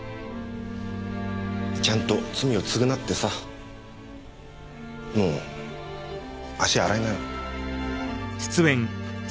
ちゃんと罪を償ってさもう足洗いなよ。